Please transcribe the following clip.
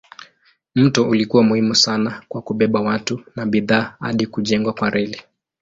Mto ulikuwa muhimu sana kwa kubeba watu na bidhaa hadi kujengwa kwa reli.